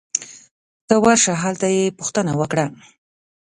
ته ورشه ! هلته یې پوښتنه وکړه